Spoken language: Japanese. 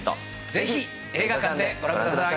ぜひ映画館でご覧ください。